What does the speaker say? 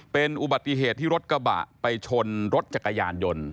เป็นอุบัติเหตุที่รถกระบะไปชนรถจักรยานยนต์